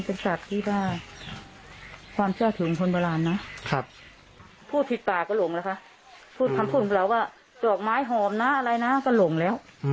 เป็นสัตว์ที่บ้าความเชื่อถึงคนบรรณนะ